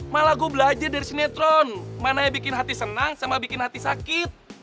malah gue belajar dari sinetron mana yang bikin hati senang sama bikin hati sakit